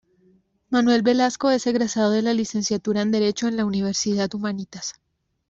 Manuel Velasco es egresado de la Licenciatura en Derecho en la Universidad Humanitas.